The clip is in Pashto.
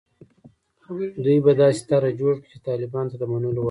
دوی به داسې طرح جوړه کړي چې طالبانو ته د منلو وړ وي.